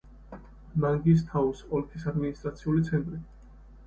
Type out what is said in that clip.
მანგისთაუს ოლქის ადმინისტრაციული ცენტრი.